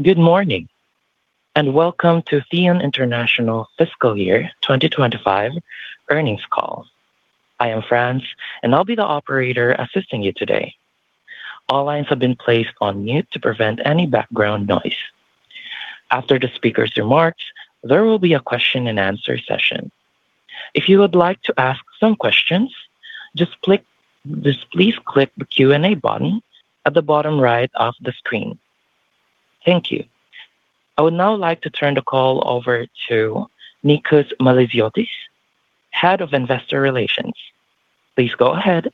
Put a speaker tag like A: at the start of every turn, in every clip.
A: Good morning, and welcome to THEON International Fiscal Year 2025 Earnings Call. I am Franz, and I'll be the operator assisting you today. All lines have been placed on mute to prevent any background noise. After the speaker's remarks, there will be a question and answer session. If you would like to ask some questions, just please click the Q&A button at the bottom right of the screen. Thank you. I would now like to turn the call over to Nikos Malesiotis, Head of Investor Relations. Please go ahead.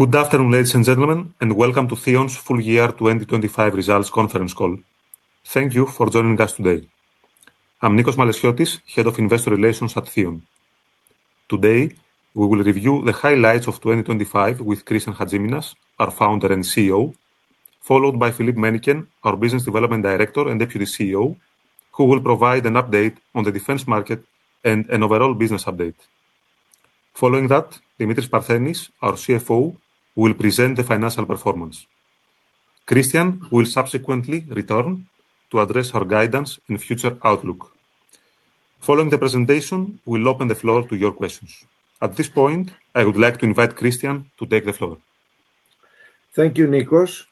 B: Good afternoon, ladies and gentlemen, and welcome to THEON's full-year 2025 results conference call. Thank you for joining us today. I'm Nikos Malesiotis, Head of Investor Relations at THEON. Today, we will review the highlights of 2025 with Christian Hadjiminas, our Founder and CEO, followed by Philippe Mennicken, our Business Development Director and Deputy CEO, who will provide an update on the defense market and an overall business update. Following that, Dimitris Parthenis, our CFO, will present the financial performance. Christian will subsequently return to address our guidance and future outlook. Following the presentation, we'll open the floor to your questions. At this point, I would like to invite Christian to take the floor.
C: Thank you, Nikos.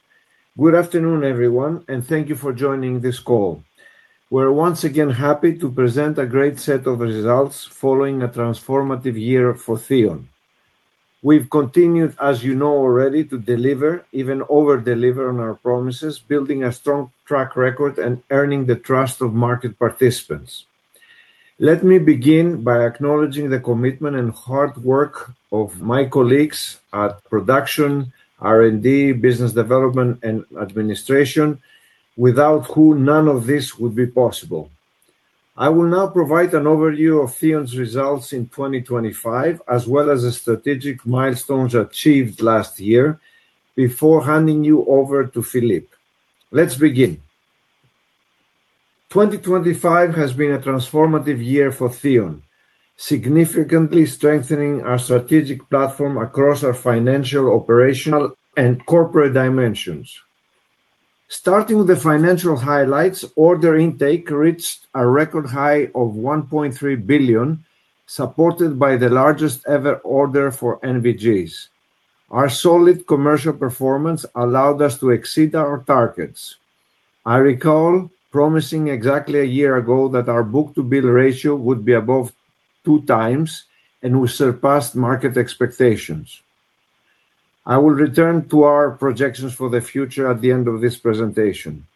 C: Good afternoon, everyone, and thank you for joining this call. We're once again happy to present a great set of results following a transformative year for THEON. We've continued, as you know already, to deliver, even over-deliver on our promises, building a strong track record and earning the trust of market participants. Let me begin by acknowledging the commitment and hard work of my colleagues at production, R&D, business development, and administration, without who none of this would be possible. I will now provide an overview of THEON's results in 2025, as well as the strategic milestones achieved last year before handing you over to Philippe. Let's begin. 2025 has been a transformative year for THEON, significantly strengthening our strategic platform across our financial, operational, and corporate dimensions. Starting with the financial highlights, order intake reached a record high of 1.3 billion, supported by the largest ever order for NVGs. Our solid commercial performance allowed us to exceed our targets. I recall promising exactly a year ago that our book-to-bill ratio would be above 2x, and we surpassed market expectations. I will return to our projections for the future at the end of this presentation.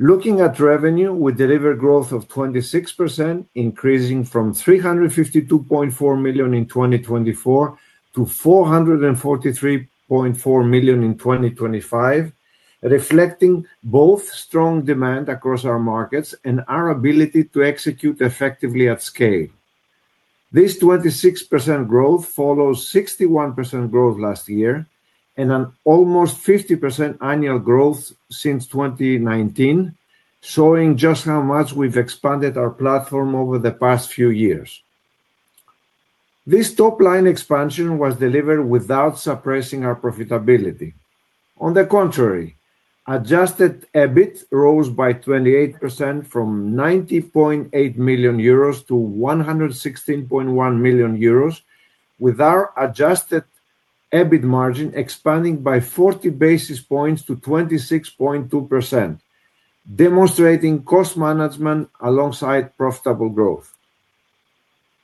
C: Looking at revenue, we delivered growth of 26%, increasing from 352.4 million in 2024 to 443.4 million in 2025, reflecting both strong demand across our markets and our ability to execute effectively at scale. This 26% growth follows 61% growth last year and an almost 50% annual growth since 2019, showing just how much we've expanded our platform over the past few years. This top-line expansion was delivered without suppressing our profitability. On the contrary, adjusted EBIT rose by 28% from 90.8 million euros to 116.1 million euros, with our adjusted EBIT margin expanding by 40 basis points to 26.2%, demonstrating cost management alongside profitable growth.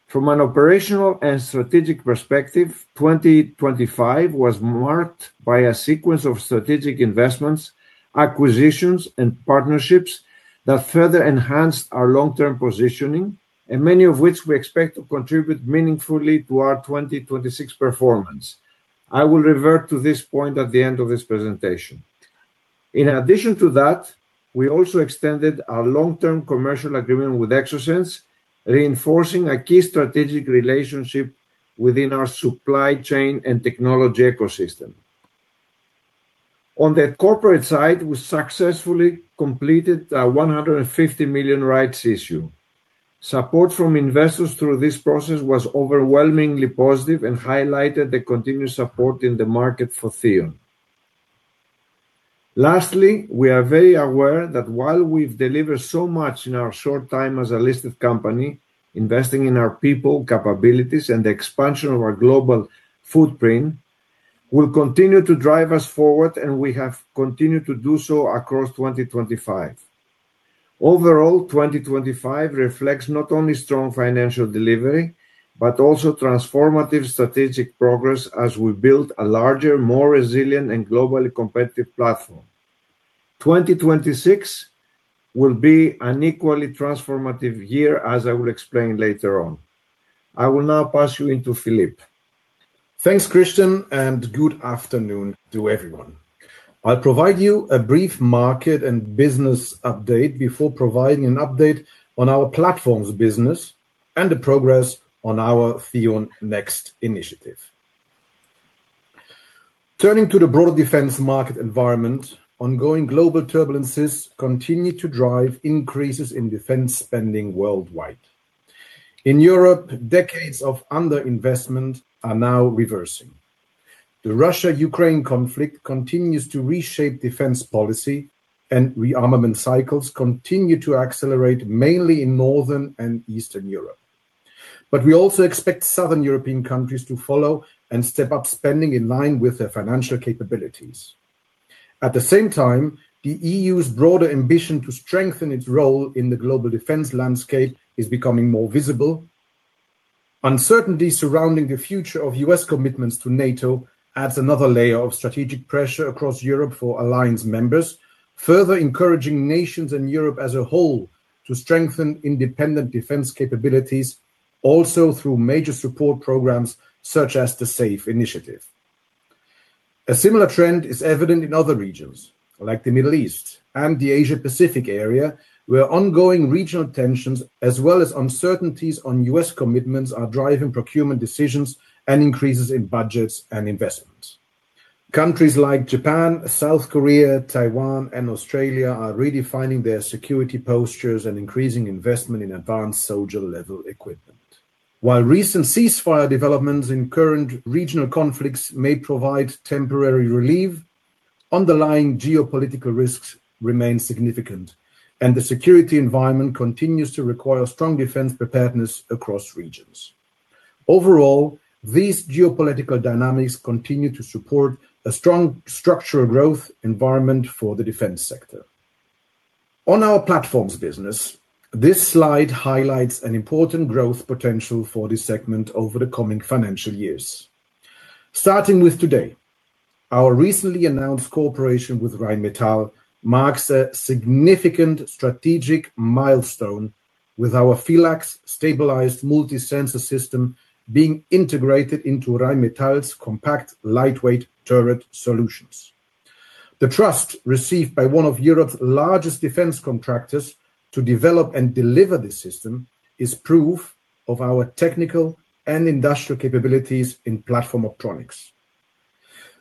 C: From an operational and strategic perspective, 2025 was marked by a sequence of strategic investments, acquisitions, and partnerships that further enhanced our long-term positioning, and many of which we expect to contribute meaningfully to our 2026 performance. I will revert to this point at the end of this presentation. In addition to that, we also extended our long-term commercial agreement with Exosens, reinforcing a key strategic relationship within our supply chain and technology ecosystem. On the corporate side, we successfully completed a 150 million rights issue. Support from investors through this process was overwhelmingly positive and highlighted the continued support in the market for THEON. Lastly, we are very aware that while we've delivered so much in our short time as a listed company, investing in our people, capabilities, and the expansion of our global footprint will continue to drive us forward, and we have continued to do so across 2025. Overall, 2025 reflects not only strong financial delivery but also transformative strategic progress as we build a larger, more resilient, and globally competitive platform. 2026 will be an equally transformative year, as I will explain later on. I will now pass you into Philippe.
D: Thanks, Christian, and good afternoon to everyone. I'll provide you a brief market and business update before providing an update on our platform's business and the progress on our THEON NEXT initiative. Turning to the broader defense market environment, ongoing global turbulences continue to drive increases in defense spending worldwide. In Europe, decades of underinvestment are now reversing. The Russia-Ukraine conflict continues to reshape defense policy, and rearmament cycles continue to accelerate, mainly in Northern and Eastern Europe. We also expect Southern European countries to follow and step up spending in line with their financial capabilities. At the same time, the EU's broader ambition to strengthen its role in the global defense landscape is becoming more visible. Uncertainty surrounding the future of U.S. commitments to NATO adds another layer of strategic pressure across Europe for alliance members, further encouraging nations and Europe as a whole to strengthen independent defense capabilities also through major support programs such as the SAFE initiative. A similar trend is evident in other regions, like the Middle East and the Asia-Pacific area, where ongoing regional tensions as well as uncertainties on U.S. commitments are driving procurement decisions and increases in budgets and investments. Countries like Japan, South Korea, Taiwan, and Australia are redefining their security postures and increasing investment in advanced soldier-level equipment. While recent ceasefire developments in current regional conflicts may provide temporary relief, underlying geopolitical risks remain significant, and the security environment continues to require strong defense preparedness across regions. Overall, these geopolitical dynamics continue to support a strong structural growth environment for the defense sector. On our platforms business, this slide highlights an important growth potential for this segment over the coming financial years. Starting with today, our recently announced cooperation with Rheinmetall marks a significant strategic milestone with our PHYLAX stabilized multi-sensor system being integrated into Rheinmetall's compact lightweight turret solutions. The trust received by one of Europe's largest defense contractors to develop and deliver this system is proof of our technical and industrial capabilities in platform optronics.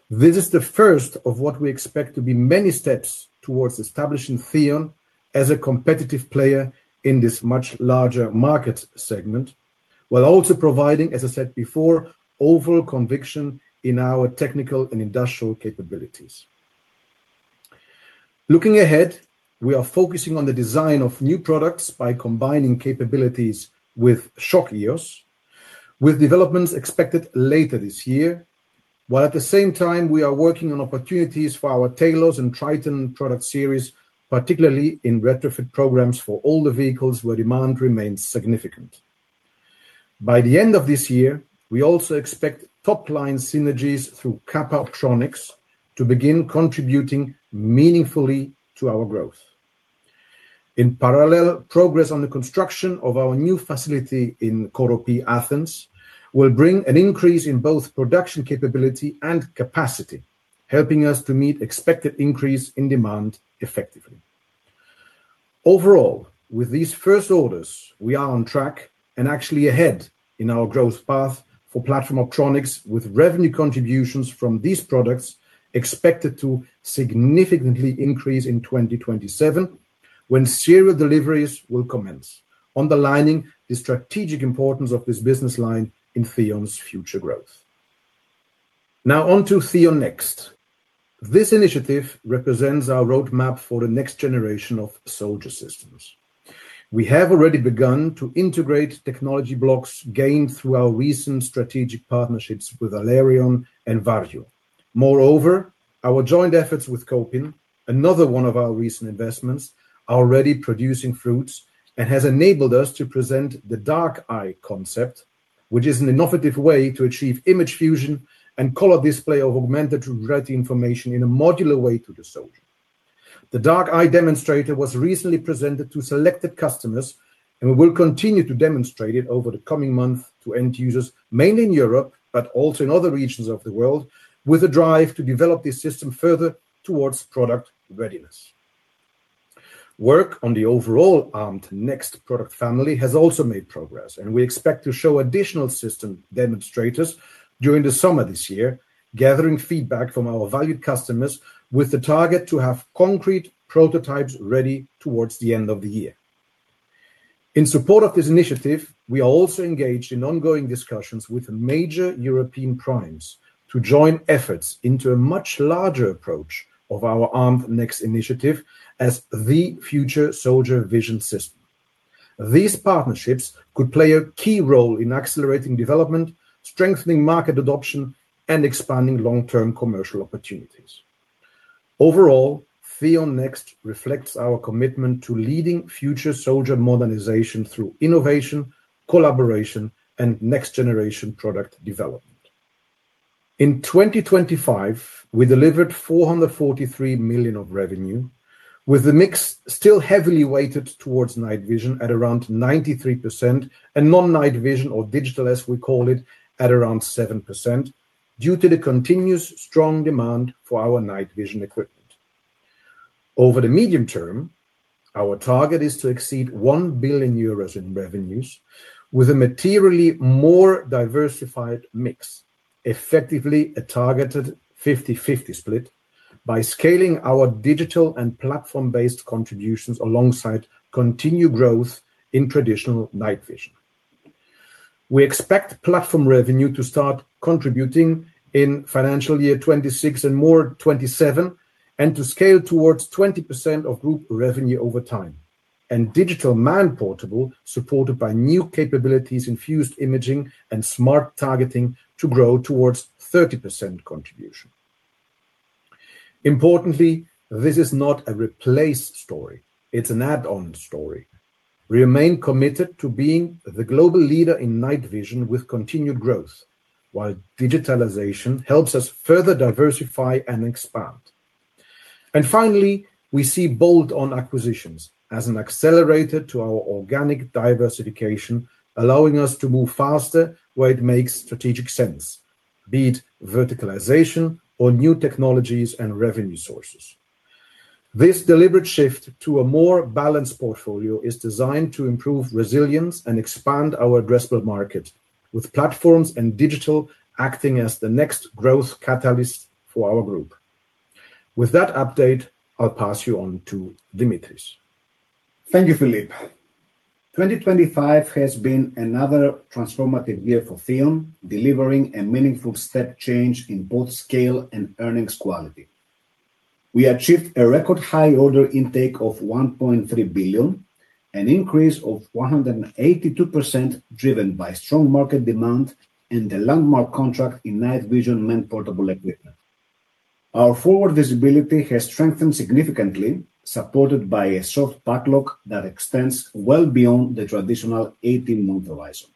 D: This is the first of what we expect to be many steps towards establishing THEON as a competitive player in this much larger market segment, while also providing, as I said before, overall conviction in our technical and industrial capabilities. Looking ahead, we are focusing on the design of new products by combining capabilities with ShockEOS, with developments expected later this year. While at the same time, we are working on opportunities for our TALOS and TRITON product series, particularly in retrofit programs for all the vehicles where demand remains significant. By the end of this year, we also expect top-line synergies through Kappa Optronics to begin contributing meaningfully to our growth. In parallel, progress on the construction of our new facility in Koropi, Athens, will bring an increase in both production capability and capacity, helping us to meet expected increase in demand effectively. Overall, with these first orders, we are on track and actually ahead in our growth path for platform optronics, with revenue contributions from these products expected to significantly increase in 2027, when serial deliveries will commence, underlining the strategic importance of this business line in THEON's future growth. Now on to THEON NEXT. This initiative represents our roadmap for the next generation of soldier systems. We have already begun to integrate technology blocks gained through our recent strategic partnerships with ALEREON and Varjo. Moreover, our joint efforts with Kopin, another one of our recent investments, are already producing fruits and has enabled us to present the DARK-I concept, which is an innovative way to achieve image fusion and color display of augmented reality information in a modular way to the soldier. The DARK-I demonstrator was recently presented to selected customers, and we will continue to demonstrate it over the coming months to end users, mainly in Europe, but also in other regions of the world, with a drive to develop this system further towards product readiness. Work on the overall A.R.M.E.D. Next product family has also made progress, and we expect to show additional system demonstrators during the summer this year, gathering feedback from our valued customers with the target to have concrete prototypes ready towards the end of the year. In support of this initiative, we are also engaged in ongoing discussions with major European primes to join efforts into a much larger approach of our A.R.M.E.D. NEXT initiative as the future soldier vision system. These partnerships could play a key role in accelerating development, strengthening market adoption, and expanding long-term commercial opportunities. Overall, THEON NEXT reflects our commitment to leading future soldier modernization through innovation, collaboration, and next-generation product development. In 2025, we delivered 443 million of revenue, with the mix still heavily weighted towards night vision at around 93% and non-night vision or digital, as we call it, at around 7%, due to the continuous strong demand for our night vision equipment. Over the medium term, our target is to exceed 1 billion euros in revenues with a materially more diversified mix, effectively a targeted 50/50 split, by scaling our digital and platform-based contributions alongside continued growth in traditional night vision. We expect platform revenue to start contributing in FY 2026 and more 2027, and to scale towards 20% of group revenue over time. Digital Man Portable, supported by new capabilities, fusion imaging and smart targeting to grow towards 30% contribution. Importantly, this is not a replace story, it's an add-on story. We remain committed to being the global leader in night vision with continued growth, while digitalization helps us further diversify and expand. Finally, we see bolt-on acquisitions as an accelerator to our organic diversification, allowing us to move faster where it makes strategic sense, be it verticalization or new technologies and revenue sources. This deliberate shift to a more balanced portfolio is designed to improve resilience and expand our addressable market, with platforms and digital acting as the next growth catalyst for our group. With that update, I'll pass you on to Dimitris.
E: Thank you, Philippe. 2025 has been another transformative year for THEON, delivering a meaningful step change in both scale and earnings quality. We achieved a record high order intake of 1.3 billion, an increase of 182% driven by strong market demand and a landmark contract in night vision man-portable equipment. Our forward visibility has strengthened significantly, supported by a solid backlog that extends well beyond the traditional 18-month horizon.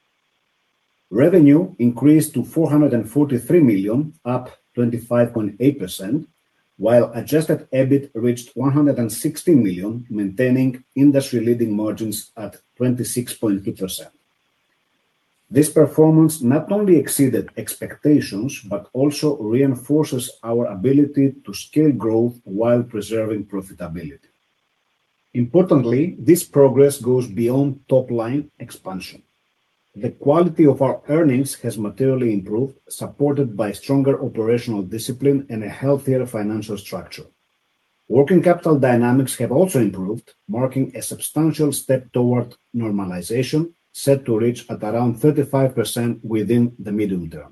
E: Revenue increased to 443 million, up 25.8%, while adjusted EBIT reached 116 million, maintaining industry-leading margins at 26.3%. This performance not only exceeded expectations but also reinforces our ability to scale growth while preserving profitability. Importantly, this progress goes beyond top-line expansion. The quality of our earnings has materially improved, supported by stronger operational discipline and a healthier financial structure. Working capital dynamics have also improved, marking a substantial step toward normalization, set to reach at around 35% within the medium term.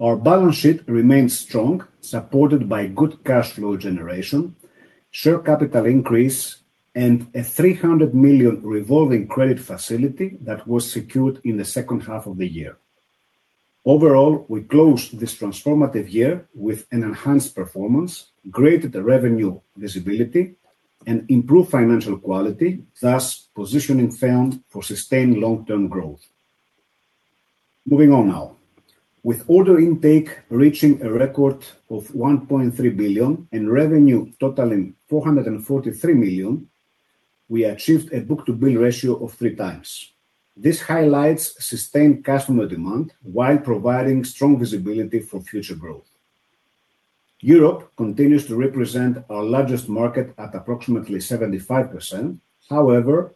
E: Our balance sheet remains strong, supported by good cash flow generation, share capital increase, and a 300 million revolving credit facility that was secured in the second half of the year. Overall, we closed this transformative year with an enhanced performance, greater revenue visibility, and improved financial quality, thus positioning THEON for sustained long-term growth. Moving on now. With order intake reaching a record of 1.3 billion and revenue totaling 443 million, we achieved a book-to-bill ratio of 3x. This highlights sustained customer demand while providing strong visibility for future growth. Europe continues to represent our largest market at approximately 75%. However,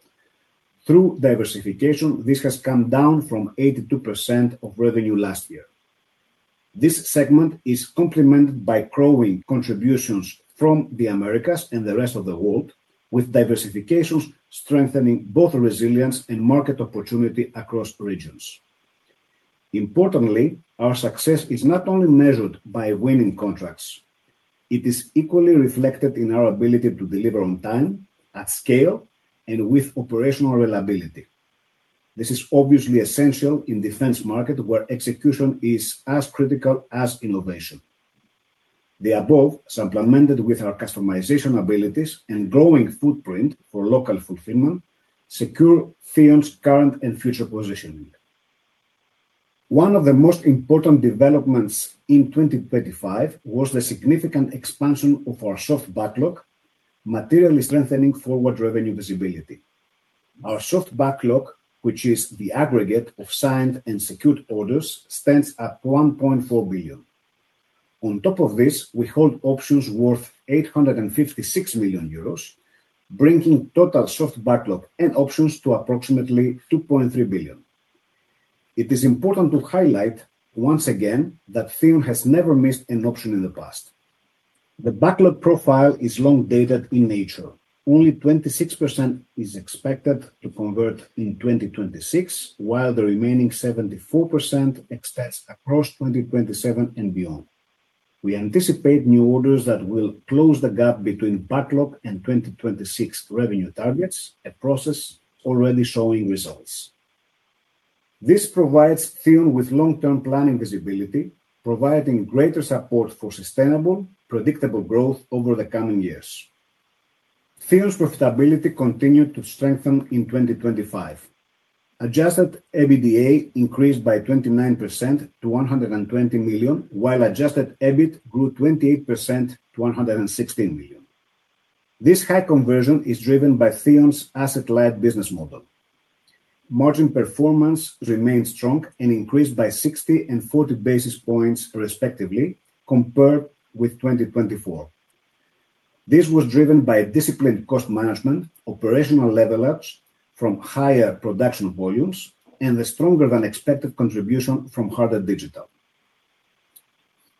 E: through diversification, this has come down from 82% of revenue last year. This segment is complemented by growing contributions from the Americas and the rest of the world, with diversifications strengthening both resilience and market opportunity across regions. Importantly, our success is not only measured by winning contracts. It is equally reflected in our ability to deliver on time, at scale, and with operational reliability. This is obviously essential in defense market, where execution is as critical as innovation. The above, supplemented with our customization abilities and growing footprint for local fulfillment, secure THEON's current and future positioning. One of the most important developments in 2025 was the significant expansion of our soft backlog, materially strengthening forward revenue visibility. Our soft backlog, which is the aggregate of signed and secured orders, stands at 1.4 billion. On top of this, we hold options worth 856 million euros, bringing total soft backlog and options to approximately 2.3 billion. It is important to highlight once again that THEON has never missed an option in the past. The backlog profile is long-dated in nature. Only 26% is expected to convert in 2026, while the remaining 74% extends across 2027 and beyond. We anticipate new orders that will close the gap between backlog and 2026 revenue targets, a process already showing results. This provides THEON with long-term planning visibility, providing greater support for sustainable, predictable growth over the coming years. THEON's profitability continued to strengthen in 2025. Adjusted EBITDA increased by 29% to 120 million, while adjusted EBIT grew 28% to 116 million. This high conversion is driven by THEON's asset-light business model. Margin performance remained strong and increased by 60 and 40 basis points respectively compared with 2024. This was driven by disciplined cost management, operational leverage from higher production volumes, and the stronger than expected contribution from Harder Digital.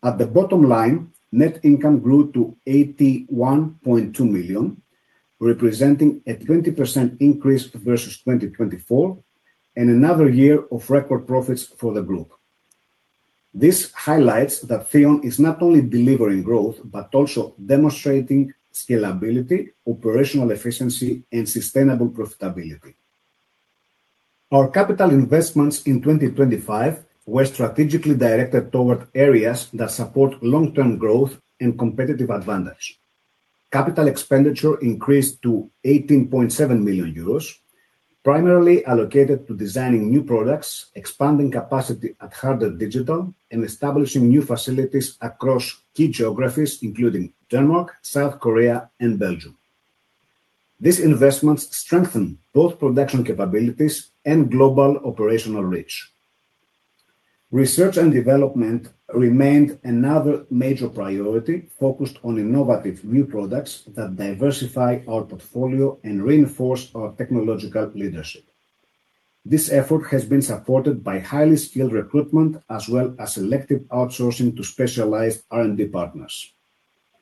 E: At the bottom line, net income grew to 81.2 million, representing a 20% increase versus 2024 and another year of record profits for the group. This highlights that THEON is not only delivering growth but also demonstrating scalability, operational efficiency, and sustainable profitability. Our capital investments in 2025 were strategically directed toward areas that support long-term growth and competitive advantage. Capital expenditure increased to 18.7 million euros, primarily allocated to designing new products, expanding capacity at Harder Digital, and establishing new facilities across key geographies including Denmark, South Korea, and Belgium. These investments strengthen both production capabilities and global operational reach. Research and development remained another major priority focused on innovative new products that diversify our portfolio and reinforce our technological leadership. This effort has been supported by highly skilled recruitment as well as selective outsourcing to specialized R&D partners.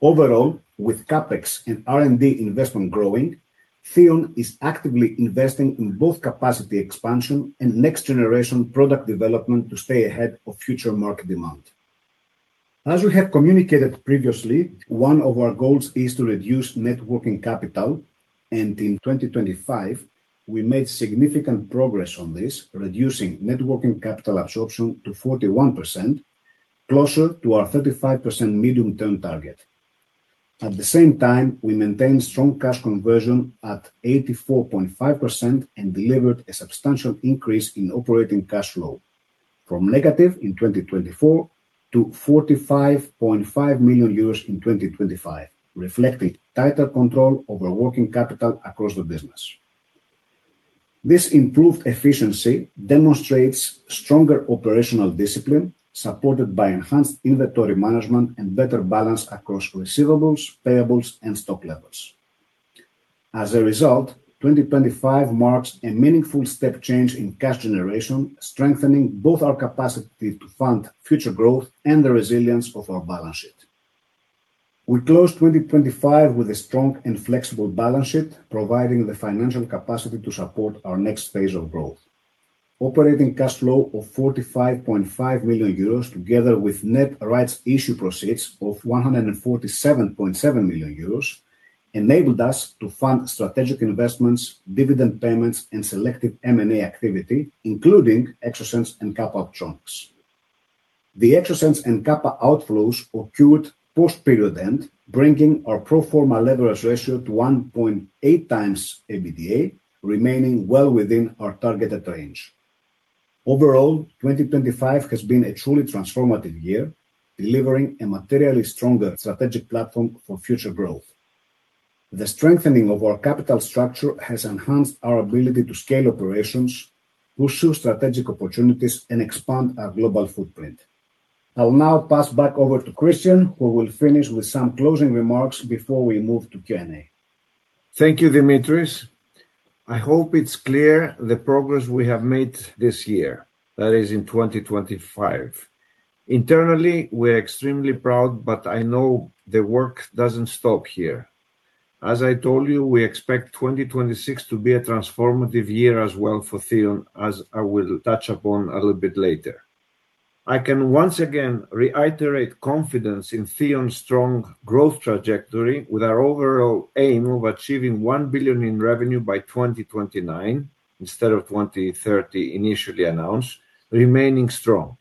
E: Overall, with CapEx and R&D investment growing, THEON is actively investing in both capacity expansion and next generation product development to stay ahead of future market demand. As we have communicated previously, one of our goals is to reduce net working capital, and in 2025, we made significant progress on this, reducing net working capital absorption to 41%, closer to our 35% medium-term target. At the same time, we maintained strong cash conversion at 84.5% and delivered a substantial increase in operating cash flow from negative in 2024 to 45.5 million euros in 2025, reflecting tighter control over working capital across the business. This improved efficiency demonstrates stronger operational discipline supported by enhanced inventory management and better balance across receivables, payables, and stock levels. As a result, 2025 marks a meaningful step change in cash generation, strengthening both our capacity to fund future growth and the resilience of our balance sheet. We closed 2025 with a strong and flexible balance sheet, providing the financial capacity to support our next phase of growth. Operating cash flow of 45.5 million euros together with net rights issue proceeds of 147.7 million euros enabled us to fund strategic investments, dividend payments, and selective M&A activity, including Exosens and Kappa Optronics. The Exosens Kappa Optronics outflows occurred post period end, bringing our pro forma leverage ratio to 1.8x EBITDA, remaining well within our targeted range. Overall, 2025 has been a truly transformative year, delivering a materially stronger strategic platform for future growth. The strengthening of our capital structure has enhanced our ability to scale operations, pursue strategic opportunities, and expand our global footprint. I'll now pass back over to Christian, who will finish with some closing remarks before we move to Q&A.
C: Thank you, Dimitris. I hope it's clear the progress we have made this year, that is, in 2025. Internally, we're extremely proud, but I know the work doesn't stop here. As I told you, we expect 2026 to be a transformative year as well for THEON, as I will touch upon a little bit later. I can once again reiterate confidence in THEON's strong growth trajectory with our overall aim of achieving 1 billion in revenue by 2029, instead of 2030 initially announced, remaining strong.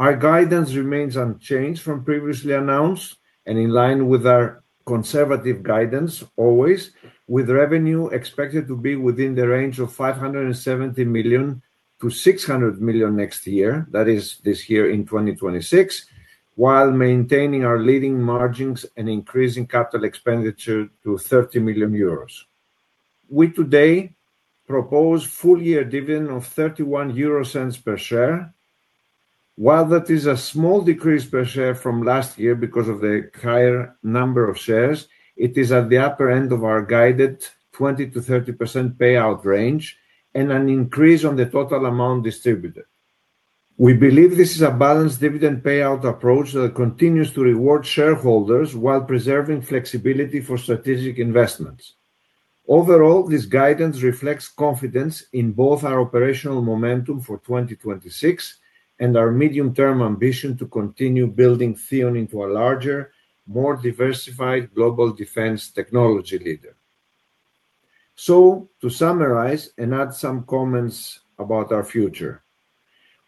C: Our guidance remains unchanged from previously announced and in line with our conservative guidance always, with revenue expected to be within the range of 570 million-600 million next year, that is, this year in 2026, while maintaining our leading margins and increasing capital expenditure to 30 million euros. We today propose full year dividend of 0.31 per share. While that is a small decrease per share from last year because of the higher number of shares, it is at the upper end of our guided 20%-30% payout range and an increase on the total amount distributed. We believe this is a balanced dividend payout approach that continues to reward shareholders while preserving flexibility for strategic investments. Overall, this guidance reflects confidence in both our operational momentum for 2026 and our medium-term ambition to continue building THEON into a larger, more diversified global defense technology leader. To summarize and add some comments about our future,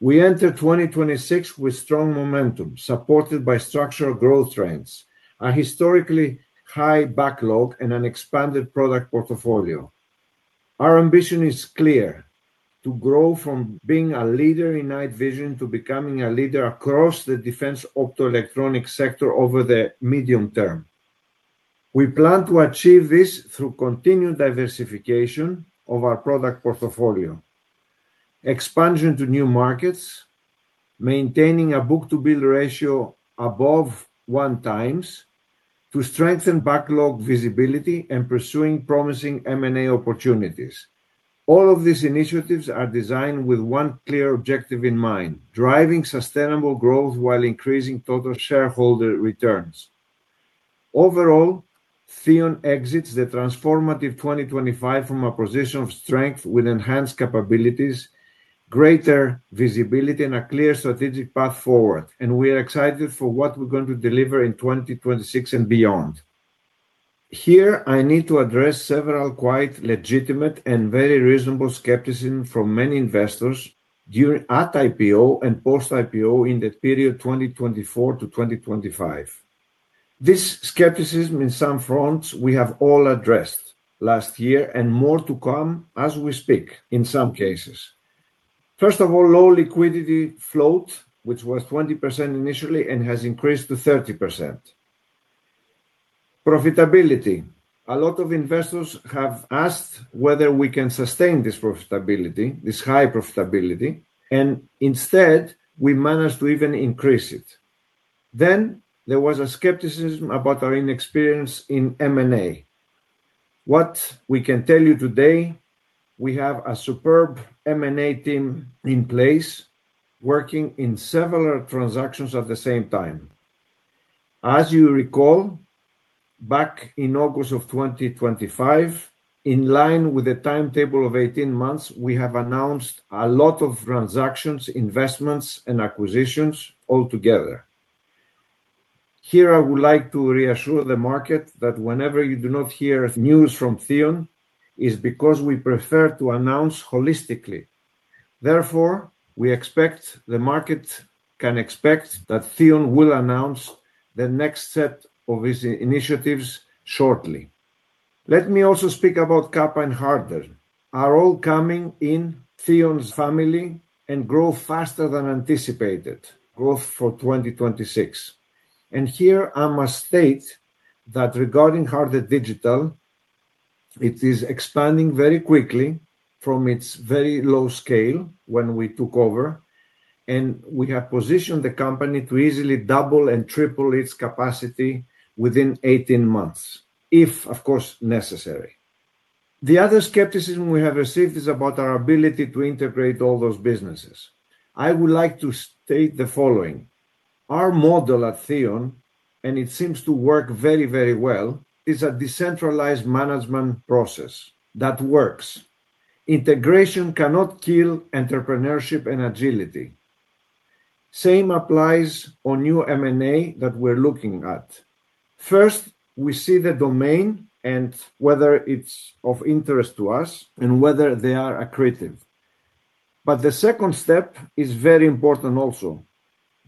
C: we enter 2026 with strong momentum supported by structural growth trends, a historically high backlog, and an expanded product portfolio. Our ambition is clear: to grow from being a leader in night vision to becoming a leader across the defense optoelectronics sector over the medium term. We plan to achieve this through continued diversification of our product portfolio, expansion to new markets, maintaining a book-to-bill ratio above one times to strengthen backlog visibility, and pursuing promising M&A opportunities. All of these initiatives are designed with one clear objective in mind, driving sustainable growth while increasing total shareholder returns. Overall, THEON exits the transformative 2025 from a position of strength with enhanced capabilities, greater visibility, and a clear strategic path forward. We're excited for what we're going to deliver in 2026 and beyond. Here, I need to address several quite legitimate and very reasonable skepticism from many investors at IPO and post-IPO in the period 2024 to 2025. This skepticism on some fronts we have all addressed last year, and more to come as we speak in some cases. First of all, low liquidity float, which was 20% initially and has increased to 30%. Profitability. A lot of investors have asked whether we can sustain this high profitability, and instead, we managed to even increase it. There was a skepticism about our inexperience in M&A. What we can tell you today, we have a superb M&A team in place working in several transactions at the same time. As you recall, back in August of 2025, in line with the timetable of 18 months, we have announced a lot of transactions, investments, and acquisitions altogether. Here I would like to reassure the market that whenever you do not hear news from THEON, it is because we prefer to announce holistically. Therefore, we expect the market can expect that THEON will announce the next set of its initiatives shortly. Let me also speak about Kappa and Harder are all coming into THEON's family and grow faster than anticipated growth for 2026. Here I must state that regarding Harder Digital, it is expanding very quickly from its very low scale when we took over, and we have positioned the company to easily double and triple its capacity within 18 months, if, of course, necessary. The other skepticism we have received is about our ability to integrate all those businesses. I would like to state the following. Our model at THEON, and it seems to work very, very well, is a decentralized management process that works. Integration cannot kill entrepreneurship and agility. Same applies on new M&A that we're looking at. First, we see the domain and whether it's of interest to us and whether they are accretive. The second step is very important also.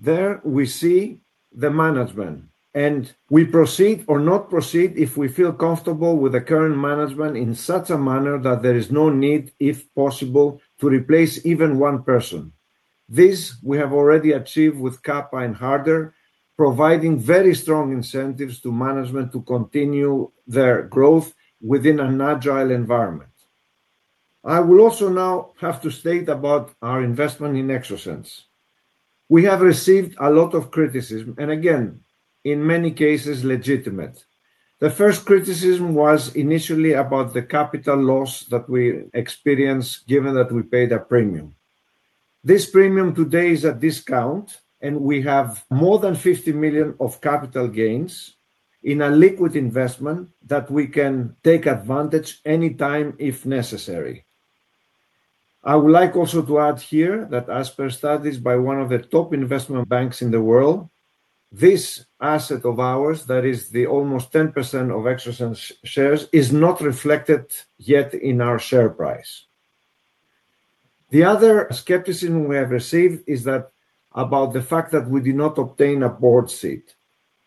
C: There we see the management, and we proceed or not proceed if we feel comfortable with the current management in such a manner that there is no need, if possible, to replace even one person. This we have already achieved with Kappa and Harder, providing very strong incentives to management to continue their growth within an agile environment. I will also now have to state about our investment in Exosens. We have received a lot of criticism, and again, in many cases legitimate. The first criticism was initially about the capital loss that we experienced, given that we paid a premium. This premium today is at discount, and we have more than 50 million of capital gains in a liquid investment that we can take advantage any time if necessary. I would like also to add here that as per studies by one of the top investment banks in the world, this asset of ours, that is the almost 10% of Exosens shares, is not reflected yet in our share price. The other skepticism we have received is about the fact that we did not obtain a board seat.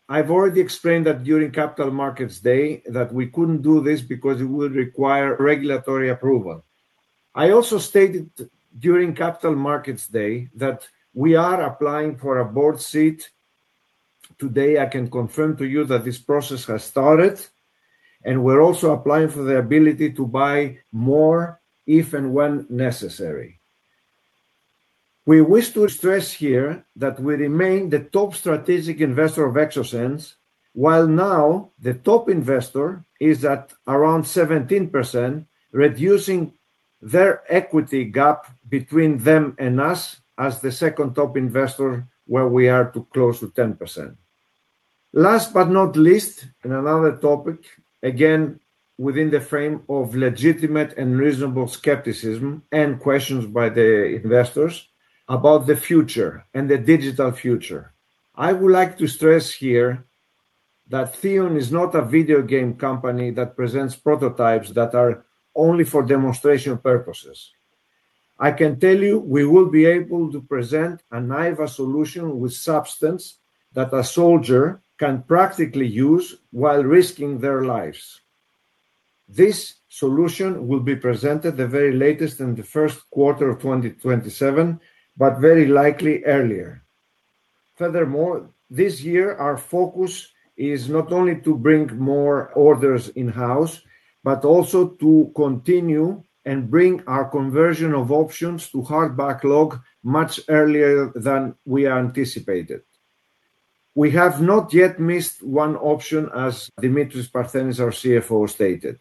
C: I've already explained that during Capital Markets Day that we couldn't do this because it would require regulatory approval. I also stated during Capital Markets Day that we are applying for a board seat. Today, I can confirm to you that this process has started, and we're also applying for the ability to buy more if and when necessary. We wish to stress here that we remain the top strategic investor of Exosens while now the top investor is at around 17%, reducing their equity gap between them and us as the second top investor where we are too close to 10%. Last but not least, another topic, again, within the frame of legitimate and reasonable skepticism and questions by the investors about the future and the digital future. I would like to stress here that THEON is not a video game company that presents prototypes that are only for demonstration purposes. I can tell you we will be able to present an IVA solution with substance that a soldier can practically use while risking their lives. This solution will be presented the very latest in the first quarter of 2027, but very likely earlier. Furthermore, this year our focus is not only to bring more orders in-house, but also to continue and bring our conversion of options to hard backlog much earlier than we anticipated. We have not yet missed one option as Dimitris Parthenis, our CFO, stated.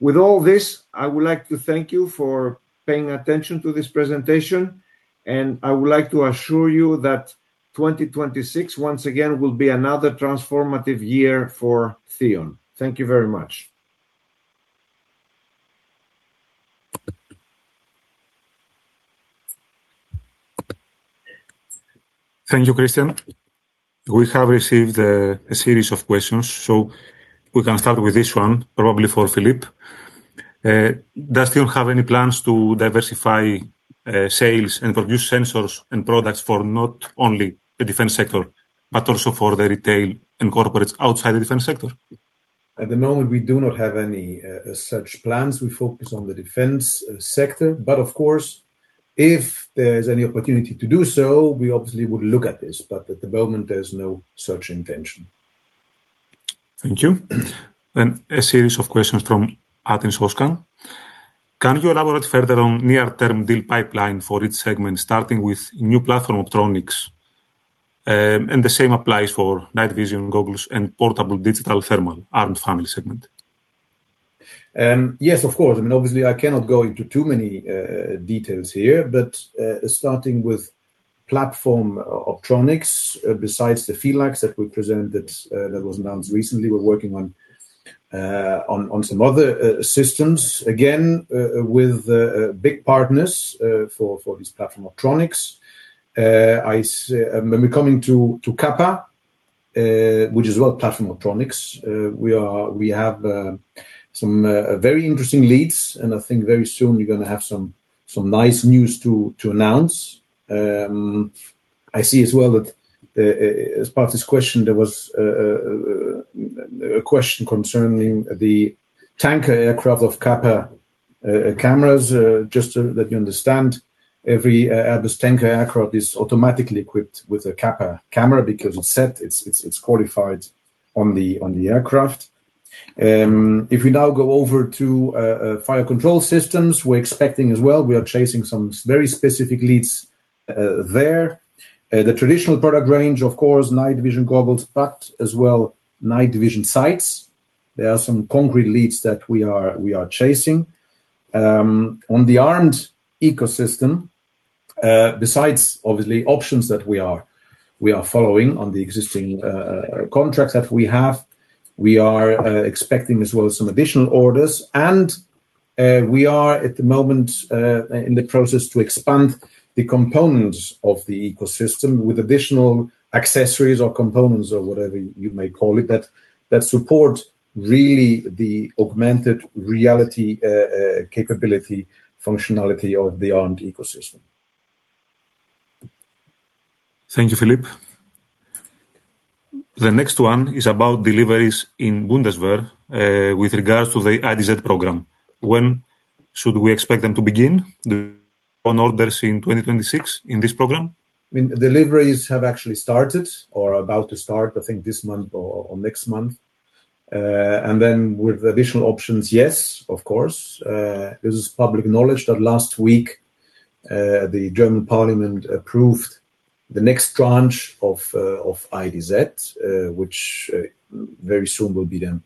C: With all this, I would like to thank you for paying attention to this presentation, and I would like to assure you that 2026, once again, will be another transformative year for THEON. Thank you very much.
B: Thank you, Christian. We have received a series of questions. We can start with this one, probably for Philippe. Does THEON have any plans to diversify sales and produce sensors and products for not only the defense sector but also for the retail and corporates outside the defense sector?
D: At the moment, we do not have any such plans. We focus on the defense sector, but of course, if there is any opportunity to do so, we obviously would look at this, but at the moment there's no such intention.
B: Thank you. A series of questions from [Agnes Oscar]. Can you elaborate further on near-term deal pipeline for each segment, starting with new platform optronics? And the same applies for night vision goggles and portable digital thermal A.R.M.E.D. family segment.
D: Yes, of course. Obviously, I cannot go into too many details here, but starting with platform optronics, besides the PHYLAX that we presented that was announced recently, we're working on some other systems, again, with big partners for this platform optronics. When we come to Kappa, which is also platform optronics, we have some very interesting leads, and I think very soon you're going to have some nice news to announce. I see as well that as part of this question, there was a question concerning the tanker aircraft of Kappa cameras. Just to let you understand, every Airbus tanker aircraft is automatically equipped with a Kappa camera because it's set, it's qualified on the aircraft. If we now go over to fire control systems, we are chasing some very specific leads there. The traditional product range, of course, night vision goggles, but as well night vision sights. There are some concrete leads that we are chasing. On the A.R.M.E.D. ecosystem, besides obviously options that we are following on the existing contracts that we have, we are expecting as well some additional orders. We are, at the moment, in the process to expand the components of the ecosystem with additional accessories or components or whatever you may call it, that support really the augmented reality capability functionality of the A.R.M.E.D. ecosystem.
B: Thank you, Philippe. The next one is about deliveries in Bundeswehr with regards to the IdZ program. When should we expect them to begin on orders in 2026 in this program?
D: Deliveries have actually started or are about to start, I think this month or next month. Then with additional options, yes, of course. This is public knowledge that last week, the German parliament approved the next tranche of IdZ, which very soon will be then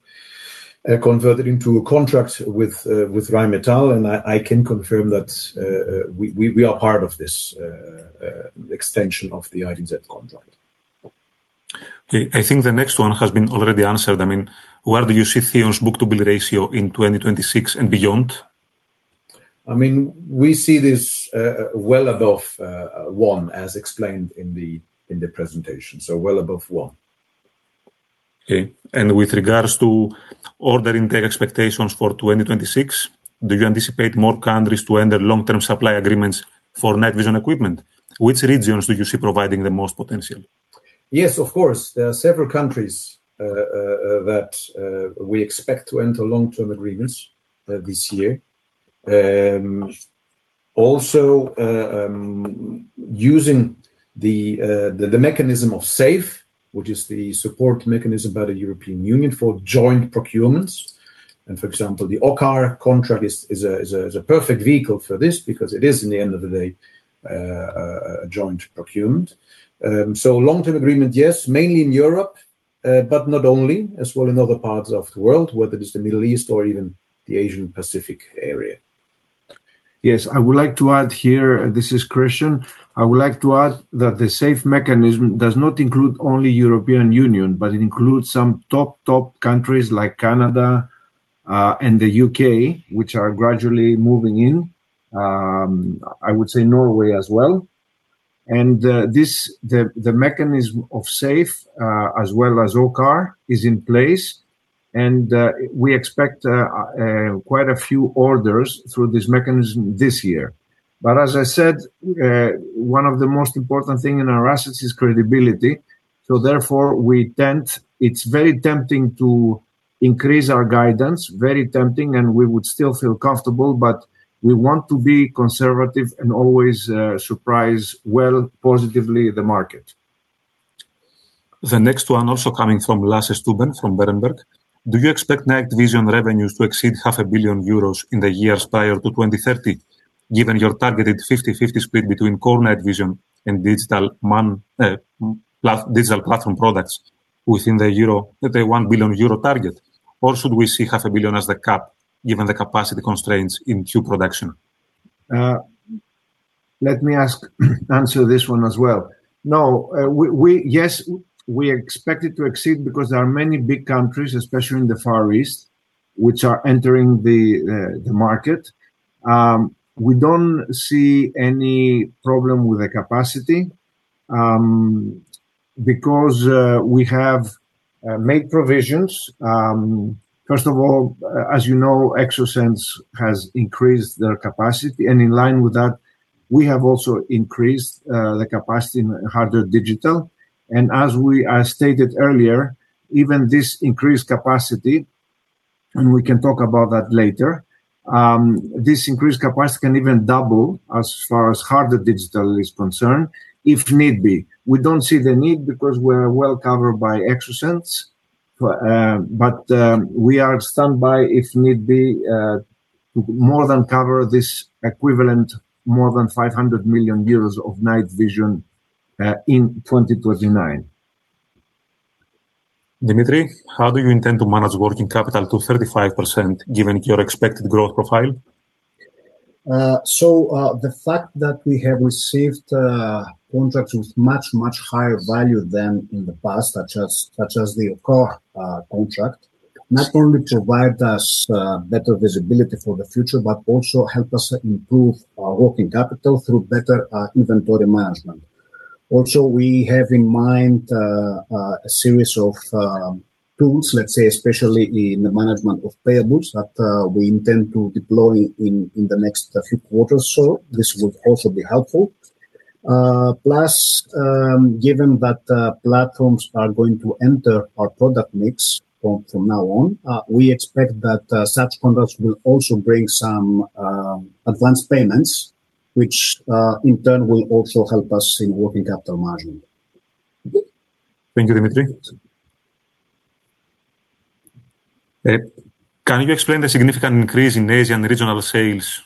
D: converted into a contract with Rheinmetall, and I can confirm that we are part of this extension of the IdZ contract.
B: Okay. I think the next one has been already answered. Where do you see THEON's book-to-bill ratio in 2026 and beyond?
D: We see this well above one, as explained in the presentation, so well above one.
B: Okay. With regards to order intake expectations for 2026, do you anticipate more countries to enter long-term supply agreements for night vision equipment? Which regions do you see providing the most potential?
D: Yes, of course. There are several countries that we expect to enter long-term agreements this year. Also, using the mechanism of SAFE, which is the support mechanism by the European Union for joint procurements. For example, the OCCAR contract is a perfect vehicle for this because it is, at the end of the day, a joint procurement. Long-term agreement, yes, mainly in Europe, but not only, as well in other parts of the world, whether it is the Middle East or even the Asian Pacific area.
C: Yes, I would like to add here, this is Christian. I would like to add that the SAFE mechanism does not include only European Union, but it includes some top countries like Canada and the U.K., which are gradually moving in. I would say Norway as well. The mechanism of SAFE, as well as OCCAR, is in place, and we expect quite a few orders through this mechanism this year. As I said, one of the most important thing in our assets is credibility. Therefore it's very tempting to increase our guidance, very tempting, and we would still feel comfortable, but we want to be conservative and always surprise well, positively the market.
B: The next one also coming from Lasse Stüben from Berenberg. Do you expect night vision revenues to exceed half a billion EUR in the years prior to 2030, given your targeted 50/50 split between core night vision and digital platform products within the 1 billion euro target? Or should we see half a billion as the cap, given the capacity constraints in [IIT] production?
C: Let me answer this one as well. Yes, we expect it to exceed because there are many big countries, especially in the Far East, which are entering the market. We don't see any problem with the capacity, because we have made provisions. First of all, as you know, Exosens has increased their capacity, and in line with that, we have also increased the capacity in Harder Digital. As I stated earlier, even this increased capacity, and we can talk about that later, this increased capacity can even double as far as Harder Digital is concerned, if need be. We don't see the need because we're well covered by Exosens. We are on standby if need be, to more than cover this equivalent more than 500 million euros of night vision, in 2029.
B: Dimitris, how do you intend to manage working capital to 35% given your expected growth profile?
E: The fact that we have received contracts with much, much higher value than in the past, such as the OCCAR contract, not only provided us better visibility for the future, but also help us improve our working capital through better inventory management. Also, we have in mind a series of tools, let's say, especially in the management of payables that we intend to deploy in the next few quarters. This will also be helpful. Plus, given that platforms are going to enter our product mix from now on, we expect that such contracts will also bring some advance payments, which, in turn will also help us in working capital margin.
B: Thank you, Dimitris. Can you explain the significant increase in Asian regional sales?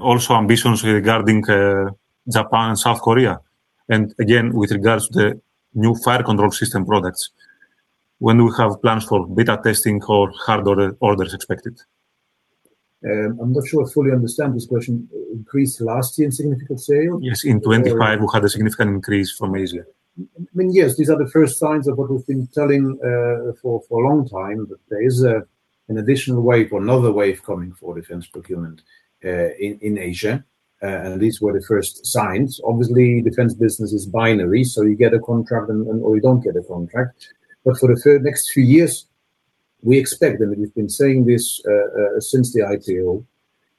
B: Also ambitions regarding Japan and South Korea? With regards to the new fire control system products, when do we have plans for beta testing or hard orders expected?
E: I'm not sure I fully understand this question. Increase last year in significant sales?
B: Yes, in 2025, we had a significant increase from Asia.
E: Yes, these are the first signs of what we've been telling for a long time, that there is an additional wave or another wave coming for defense procurement in Asia. These were the first signs. Obviously, defense business is binary, so you get a contract or you don't get a contract. For the next few years, we expect, and we've been saying this since the IPO,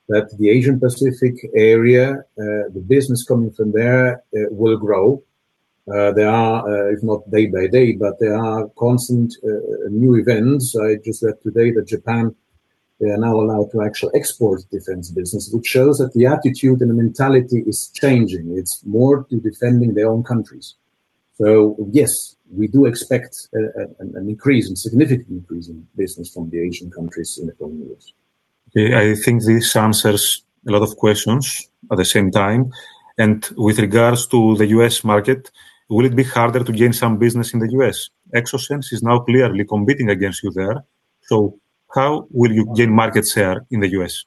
E: that the Asian Pacific area, the business coming from there, will grow. They are, if not day by day, but there are constant new events. I just read today that Japan, they are now allowed to actually export defense business, which shows that the attitude and the mentality is changing. It's more to defending their own countries. Yes, we do expect an increase and significant increase in business from the Asian countries in the coming years.
B: Okay. I think this answers a lot of questions at the same time. With regards to the U.S. market, will it be harder to gain some business in the U.S.? Exosens is now clearly competing against you there. How will you gain market share in the U.S.?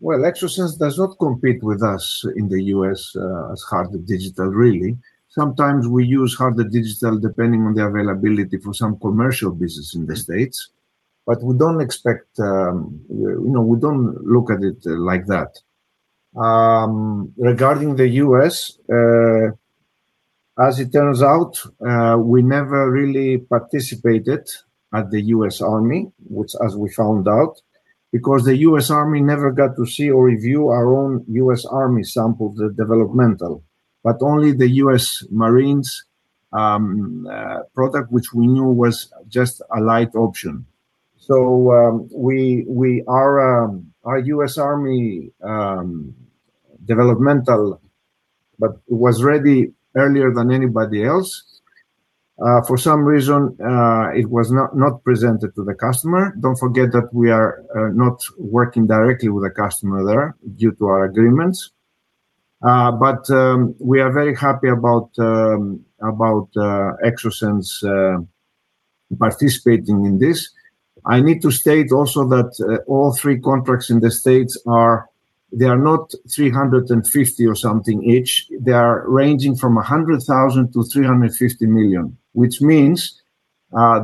C: Well, Exosens does not compete with us in the U.S., as Harder Digital, really. Sometimes we use Harder Digital depending on the availability for some commercial business in the States, but we don't look at it like that. Regarding the U.S., as it turns out, we never really participated at the U.S. Army, which as we found out, because the U.S. Army never got to see or review our own U.S. Army sample, the developmental, but only the U.S. Marines product, which we knew was just a light option. Our U.S. Army developmental was ready earlier than anybody else. For some reason, it was not presented to the customer. Don't forget that we are not working directly with the customer there due to our agreements. We are very happy about Exosens participating in this. I need to state also that all three contracts in the States, they are not 350 million or something each. They are ranging from 100,000-350 million, which means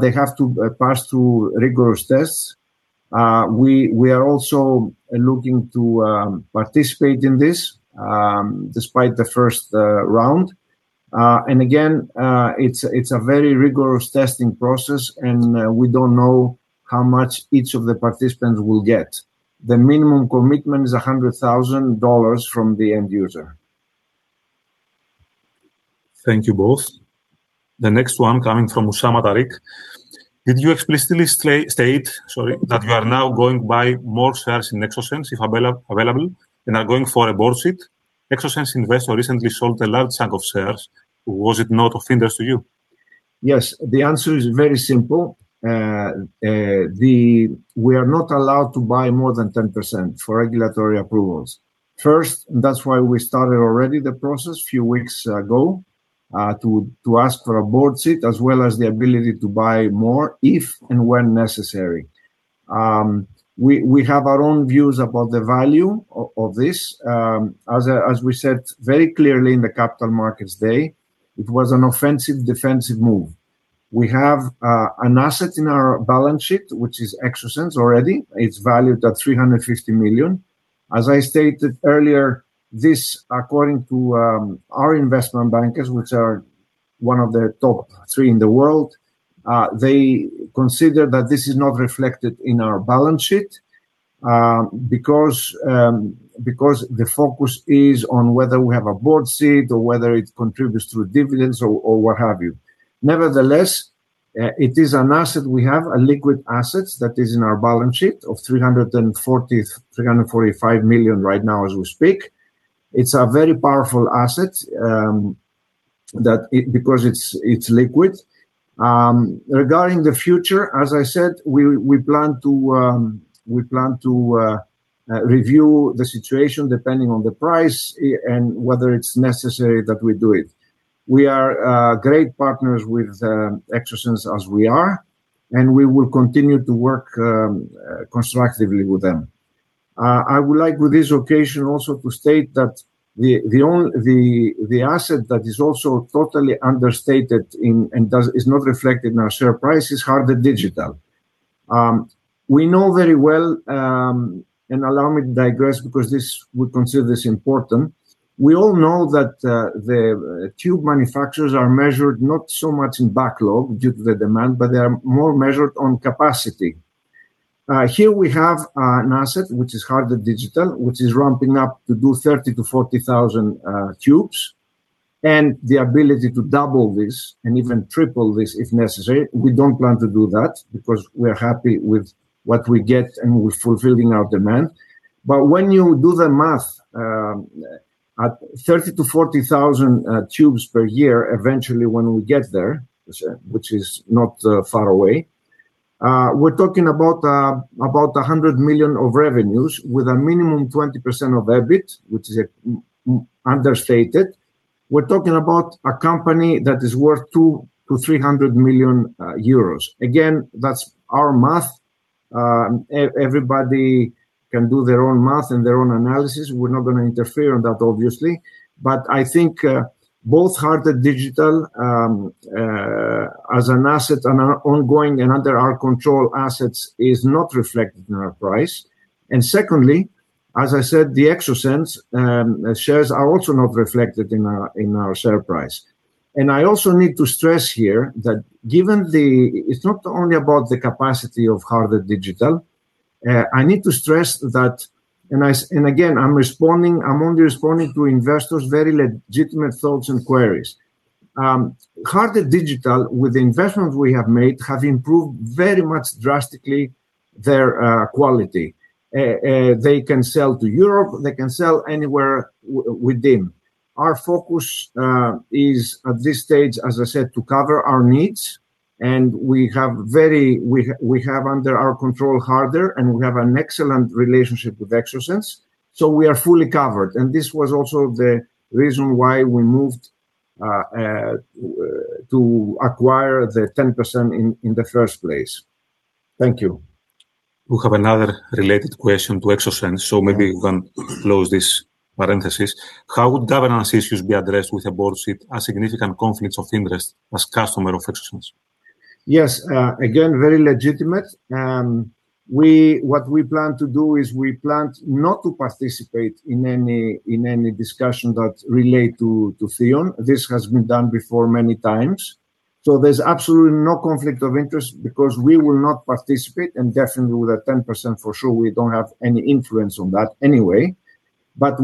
C: they have to pass through rigorous tests. We are also looking to participate in this, despite the first round. Again, it's a very rigorous testing process, and we don't know how much each of the participants will get. The minimum commitment is $100,000 from the end user.
B: Thank you both. The next one coming from [Usama Tariq]. Did you explicitly state, sorry, that you are now going to buy more shares in Exosens if available, and are going for a board seat? Exosens investors recently sold a large block of shares. Was it not of interest to you?
C: Yes, the answer is very simple. We are not allowed to buy more than 10% for regulatory approvals. First, that's why we started already the process a few weeks ago, to ask for a board seat as well as the ability to buy more if and when necessary. We have our own views about the value of this. As we said very clearly in the Capital Markets Day, it was an offensive/defensive move. We have an asset in our balance sheet, which is Exosens already. It's valued at 350 million. As I stated earlier, this, according to our investment bankers, which are one of the top three in the world, they consider that this is not reflected in our balance sheet because the focus is on whether we have a board seat or whether it contributes through dividends or what have you. Nevertheless, it is an asset we have, a liquid asset that is in our balance sheet of 340 million-345 million right now as we speak. It's a very powerful asset because it's liquid. Regarding the future, as I said, we plan to review the situation depending on the price and whether it's necessary that we do it. We are great partners with Exosens as we are, and we will continue to work constructively with them. I would like with this occasion also to state that the asset that is also totally understated and is not reflected in our share price is Harder Digital. We know very well, and allow me to digress because we consider this important. We all know that the tube manufacturers are measured not so much in backlog due to the demand, but they are more measured on capacity. Here we have an asset, which is Harder Digital, which is ramping up to do 30,000-40,000 tubes, and the ability to double this and even triple this if necessary. We don't plan to do that because we're happy with what we get, and we're fulfilling our demand. When you do the math at 30,000-40,000 tubes per year, eventually when we get there, which is not far away, we're talking about 100 million in revenues with a minimum 20% of EBIT, which is understated. We're talking about a company that is worth 200 million-300 million euros. Again, that's our math. Everybody can do their own math and their own analysis. We're not going to interfere on that, obviously. I think both Harder Digital as an asset and an ongoing and under our control assets is not reflected in our price. Secondly, as I said, the Exosens shares are also not reflected in our share price. I also need to stress here that it's not only about the capacity of Harder Digital. I need to stress that, and again, I'm only responding to investors' very legitimate thoughts and queries. Harder Digital, with the investments we have made, have improved very much drastically their quality. They can sell to Europe. They can sell anywhere within. Our focus is, at this stage, as I said, to cover our needs, and we have under our control Harder, and we have an excellent relationship with Exosens, so we are fully covered. This was also the reason why we moved to acquire the 10% in the first place. Thank you.
B: We have another related question to Exosens, so maybe you can close this parenthesis. How would governance issues be addressed with a board seat and significant conflicts of interest as customer of Exosens?
C: Yes. Again, very legitimate. What we plan to do is we plan not to participate in any discussion that relate to THEON. This has been done before many times. There's absolutely no conflict of interest because we will not participate and definitely with that 10%, for sure, we don't have any influence on that anyway.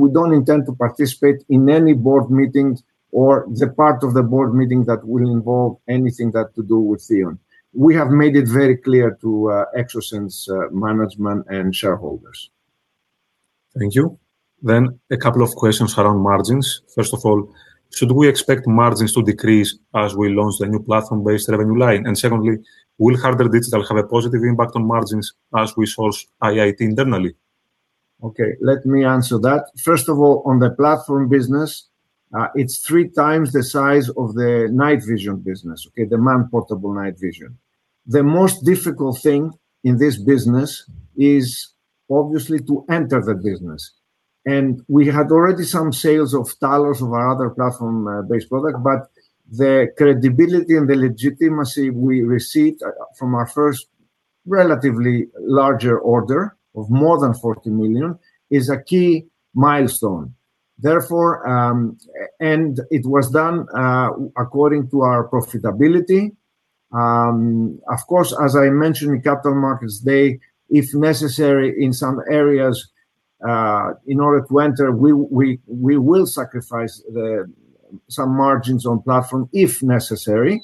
C: We don't intend to participate in any board meetings or the part of the board meeting that will involve anything that to do with THEON. We have made it very clear to Exosens management and shareholders.
B: Thank you. A couple of questions around margins. First of all, should we expect margins to decrease as we launch the new platform-based revenue line? Secondly, will Harder Digital have a positive impact on margins as we source IIT internally?
C: Okay. Let me answer that. First of all, on the platform business, it's 3x the size of the night vision business, okay? The man-portable night vision. The most difficult thing in this business is obviously to enter the business. We had already some sales of TALOS, of our other platform-based product, but the credibility and the legitimacy we received from our first relatively larger order of more than 40 million is a key milestone. Therefore, it was done according to our profitability. Of course, as I mentioned in Capital Markets Day, if necessary, in some areas, in order to enter, we will sacrifice some margins on platform if necessary.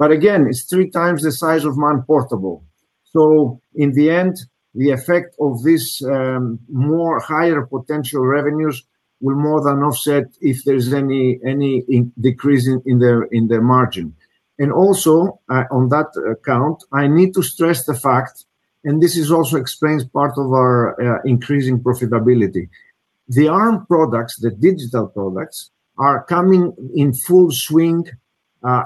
C: Again, it's 3x the size of man-portable. In the end, the effect of this much higher potential revenues will more than offset if there's any decrease in their margin. Also on that account, I need to stress the fact, and this also explains part of our increasing profitability. The A.R.M.E.D. products, the digital products, are coming in full swing